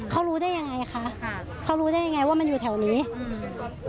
เขารู้ได้ยังไงคะค่ะเขารู้ได้ยังไงว่ามันอยู่แถวนี้อืม